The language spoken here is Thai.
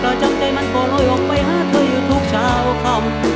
จำใจมันก็ลอยออกไปหาเธออยู่ทุกเช้าคำ